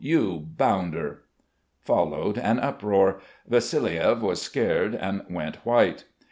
You bounder!" Followed an uproar. Vassiliev was scared and went white.